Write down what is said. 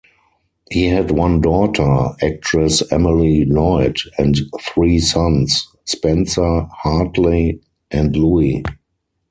He had one daughter, actress Emily Lloyd, and three sons: Spencer, Hartley and Louis.